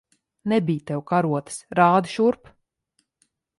Nebij tev karotes. Rādi šurp!